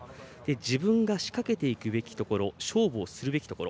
自分が仕掛けていくべきところ勝負をするべきところ。